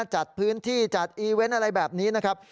จัดพื้นที่จัดอีเวนต์อะไรแบบนี้นะครับ